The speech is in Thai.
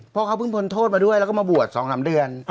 พระครับเพิ่งมนโทษมาด้วยแล้วบวชต่อ๒๓เดือน